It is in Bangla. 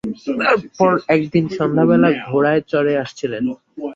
তারপর একদিন সন্ধ্যাবেলা ঘোড়ায় চড়ে আসছিলেন।